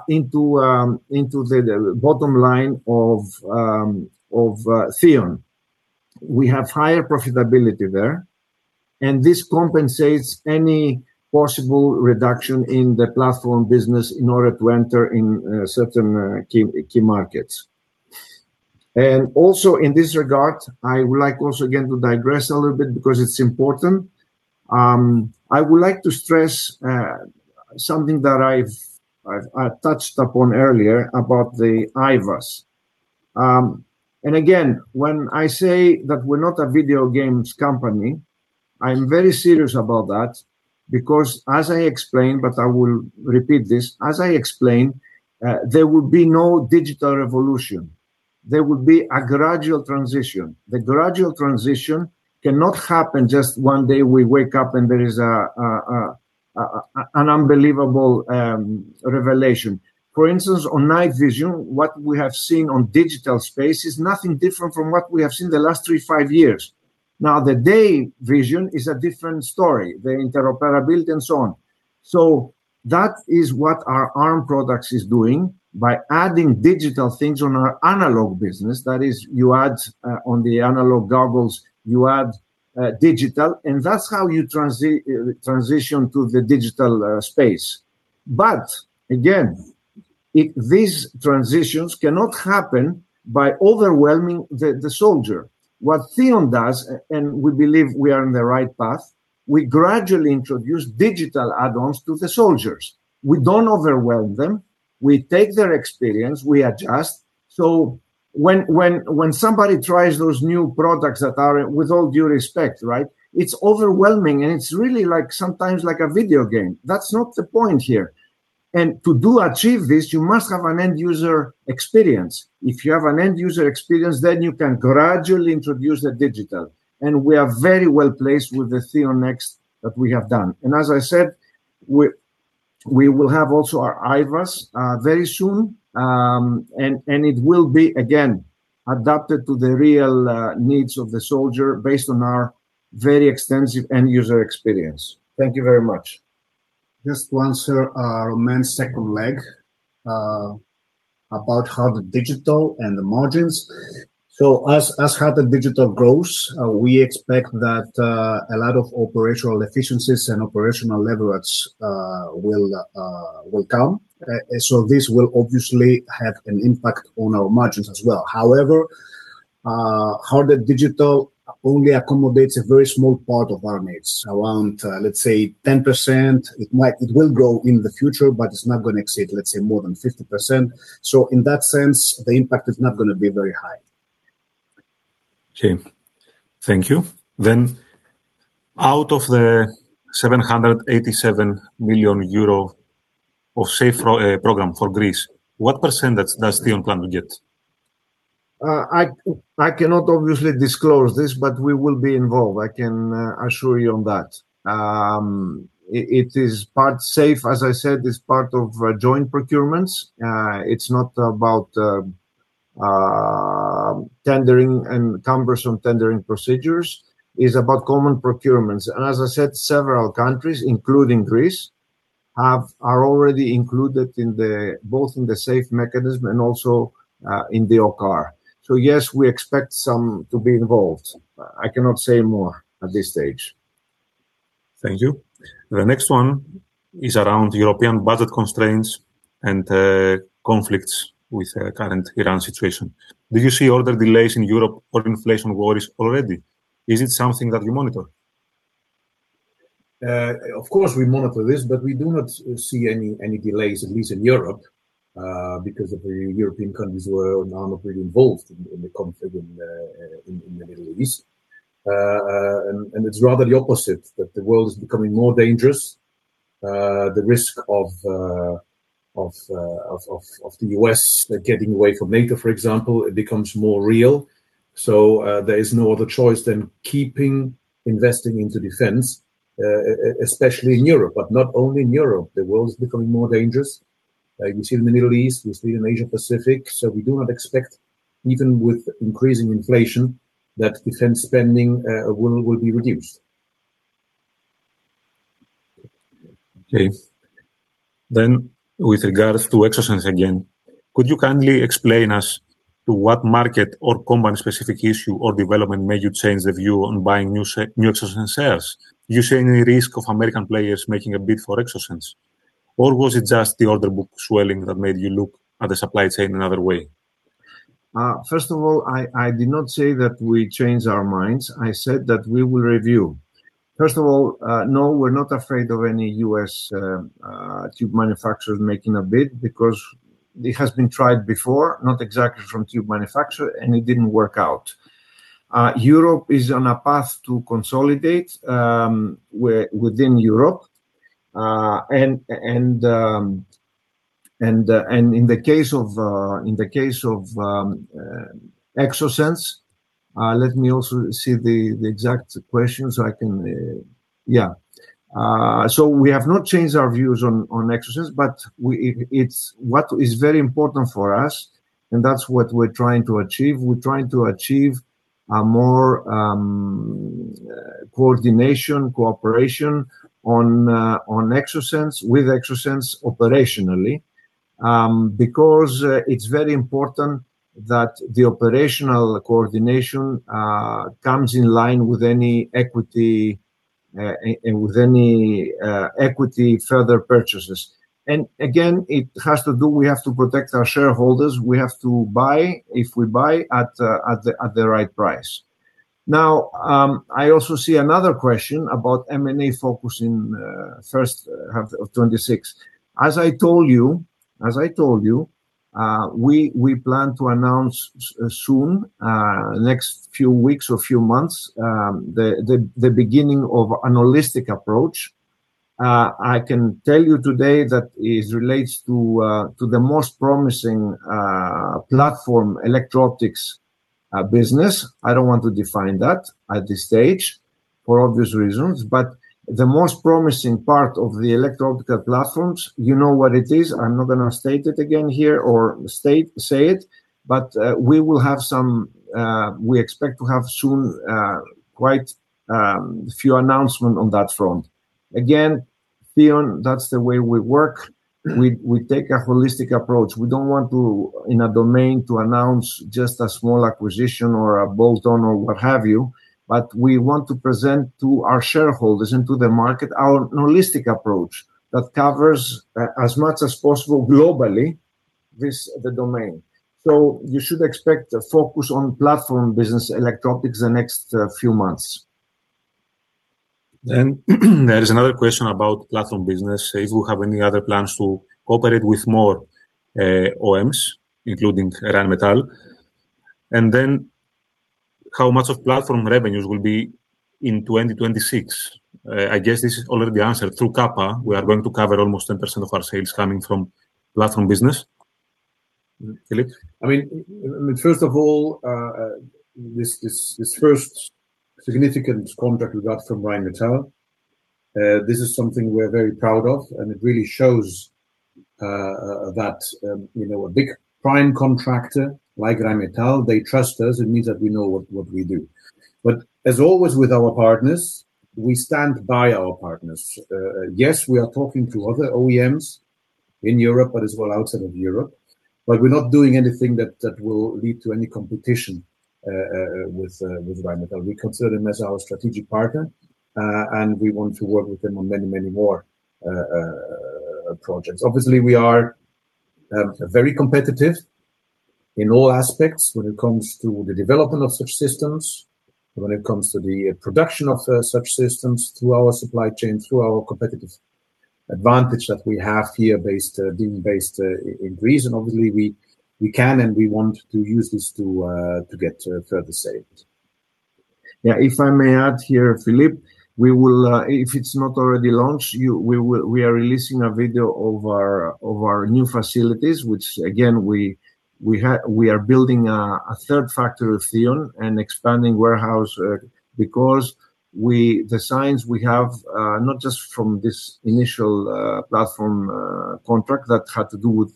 C: into the bottom line of THEON. We have higher profitability there, and this compensates any possible reduction in the platform business in order to enter in certain key markets. Also in this regard, I would like also again to digress a little bit because it's important. I would like to stress something that I've touched upon earlier about the IVAS. Again, when I say that we're not a video games company, I'm very serious about that because as I explained, but I will repeat this. As I explained, there will be no digital revolution. There will be a gradual transition. The gradual transition cannot happen just one day we wake up and there is an unbelievable revelation. For instance, on night vision, what we have seen on digital space is nothing different from what we have seen the last 3, 5 years. Now, the day vision is a different story, the interoperability and so on. That is what our A.R.M.E.D. products is doing by adding digital things on our analog business. That is, you add on the analog goggles, you add digital, and that's how you transition to the digital space. Again, these transitions cannot happen by overwhelming the soldier. What THEON does, and we believe we are on the right path, we gradually introduce digital add-ons to the soldiers. We don't overwhelm them. We take their experience, we adjust. When somebody tries those new products that are with all due respect, right, it's overwhelming and it's really like sometimes like a video game. That's not the point here. To achieve this, you must have an end user experience. If you have an end user experience, then you can gradually introduce the digital. We are very well placed with the THEON NEXT that we have done. As I said, we will have also our IVAS very soon. It will be, again, adapted to the real needs of the soldier based on our very extensive end user experience. Thank you very much.
E: Just to answer [Romain's] second leg about the digital and the margins. As the digital grows, we expect that a lot of operational efficiencies and operational leverage will come. This will obviously have an impact on our margins as well. However, the digital only accommodates a very small part of our needs, around, let's say, 10%. It will grow in the future, but it's not going to exceed, let's say, more than 50%. In that sense, the impact is not going to be very high.
B: Okay. Thank you. Out of the 787 million euro of SAFE program for Greece, what percentage does THEON plan to get?
C: I cannot obviously disclose this, but we will be involved, I can assure you on that. It is part of SAFE, as I said, is part of joint procurements. It's not about tendering and cumbersome tendering procedures. It's about common procurements. As I said, several countries, including Greece, are already included both in the SAFE mechanism and also in the OCCAR. Yes, we expect some to be involved. I cannot say more at this stage.
B: Thank you. The next one is around European budget constraints and conflicts with current Iran situation. Do you see order delays in Europe or inflation worries already? Is it something that you monitor?
E: Of course, we monitor this, but we do not see any delays, at least in Europe, because the European countries were not really involved in the conflict in the Middle East. It's rather the opposite, that the world is becoming more dangerous. The risk of the U.S. getting away from NATO, for example, it becomes more real. There is no other choice than keeping investing into defense, especially in Europe, but not only in Europe. The world is becoming more dangerous. You see it in the Middle East, you see it in Asia-Pacific. We do not expect, even with increasing inflation, that defense spending will be reduced.
B: Okay. With regards to Exosens again, could you kindly explain us to what market or company specific issue or development made you change the view on buying new Exosens shares? Do you see any risk of American players making a bid for Exosens? Or was it just the order book swelling that made you look at the supply chain another way?
C: First of all, I did not say that we changed our minds. I said that we will review. First of all, no, we're not afraid of any U.S. tube manufacturer making a bid because it has been tried before, not exactly from tube manufacturer, and it didn't work out. Europe is on a path to consolidate within Europe. In the case of Exosens, let me also see the exact question so I can. Yeah. We have not changed our views on Exosens, but what is very important for us, and that's what we're trying to achieve, we're trying to achieve a more coordination, cooperation on Exosens, with Exosens operationally. Because it's very important that the operational coordination comes in line with any equity further purchases. Again, it has to do, we have to protect our shareholders. We have to buy, if we buy, at the right price. Now, I also see another question about M&A focus in first half of 2026. As I told you, we plan to announce soon, next few weeks or few months, the beginning of a holistic approach. I can tell you today that it relates to the most promising platform, electro-optics business. I don't want to define that at this stage for obvious reasons. The most promising part of the electro-optical platforms, you know what it is. I'm not going to state it again here or say it, but we expect to have soon quite a few announcements on that front. Again, THEON, that's the way we work. We take a holistic approach. We don't want to, in a domain, to announce just a small acquisition or a bolt-on or what have you, but we want to present to our shareholders and to the market our holistic approach that covers as much as possible globally with the domain. You should expect a focus on platform business electro-optics the next few months.
B: There is another question about platform business. If you have any other plans to operate with more OEMs, including Rheinmetall, and then how much of platform revenues will be in 2026? I guess this is already answered through Kappa. We are going to cover almost 10% of our sales coming from platform business. Philippe?
D: First of all, this first significant contract we got from Rheinmetall, this is something we're very proud of, and it really shows that a big prime contractor like Rheinmetall, they trust us. It means that we know what we do. As always with our partners, we stand by our partners. Yes, we are talking to other OEMs in Europe, but as well outside of Europe, but we're not doing anything that will lead to any competition with Rheinmetall. We consider them as our strategic partner, and we want to work with them on many, many more projects. Obviously, we are very competitive in all aspects when it comes to the development of such systems, when it comes to the production of such systems through our supply chain, through our competitive advantage that we have here being based in Greece. Obviously, we can and we want to use this to get further sales.
C: Yeah, if I may add here, Philippe, if it's not already launched, we are releasing a video of our new facilities, which again, we are building a third factory with THEON and expanding warehouse because the signs we have, not just from this initial platform contract that had to do with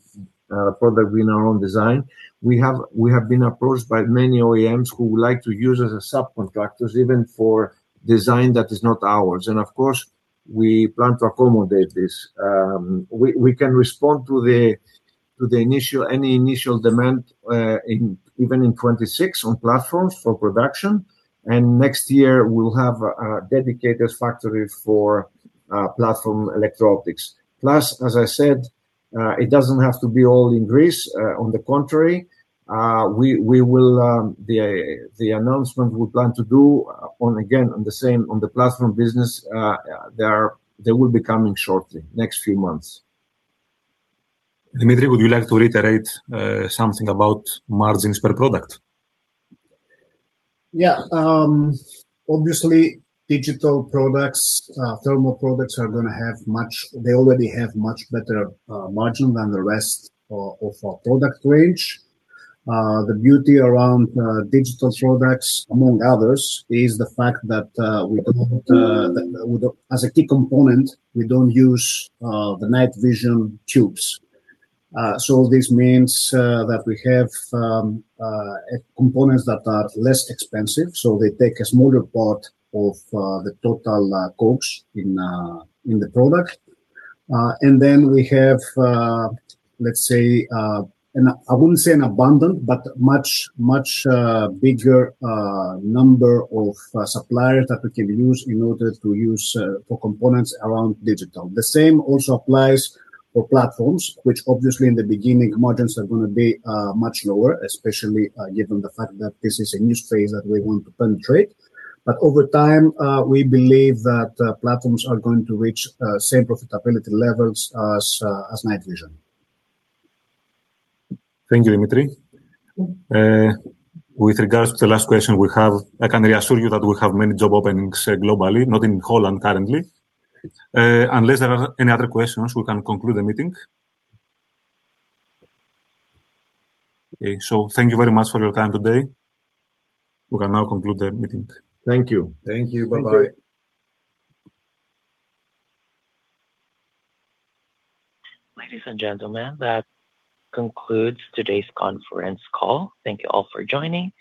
C: product in our own design, we have been approached by many OEMs who would like to use us as subcontractors, even for design that is not ours. Of course, we plan to accommodate this. We can respond to any initial demand, even in 2026, on platforms for production, and next year, we'll have a dedicated factory for platform electro-optics. Plus, as I said, it doesn't have to be all in Greece. On the contrary, the announcement we plan to do on, again, on the same, on the platform business, they will be coming shortly. Next few months.
B: Dimitris, would you like to reiterate something about margins per product?
E: Yeah. Obviously, digital products, thermal products are going to have much, they already have much better margin than the rest of our product range. The beauty around digital products, among others, is the fact that as a key component, we don't use the night vision tubes. This means that we have components that are less expensive, so they take a smaller part of the total COGS in the product. We have, let's say, I wouldn't say an abundant, but much, much bigger number of suppliers that we can use in order to use for components around digital. The same also applies for platforms, which obviously in the beginning, margins are going to be much lower, especially given the fact that this is a new space that we want to penetrate. Over time, we believe that platforms are going to reach same profitability levels as night vision.
B: Thank you, Dimitris. With regards to the last question we have, I can reassure you that we have many job openings globally, not in Holland currently. Unless there are any other questions, we can conclude the meeting. Okay. Thank you very much for your time today. We can now conclude the meeting.
E: Thank you.
C: Thank you. Bye-bye.
A: Ladies and gentlemen, that concludes today's conference call. Thank you all for joining.